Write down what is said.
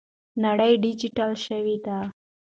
نړۍ ډیجیټل شوې ده.